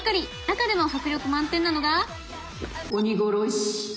中でも迫力満点なのが「鬼殺し」。